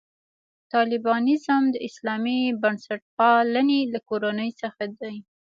طالبانیزم د اسلامي بنسټپالنې له کورنۍ څخه دی.